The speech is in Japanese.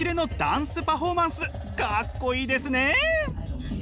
かっこいいですね！